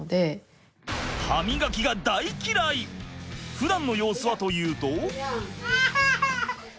ふだんの様子はというと。